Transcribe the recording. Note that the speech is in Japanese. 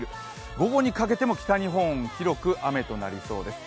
午後にかけても北日本、広く雨となりそうです。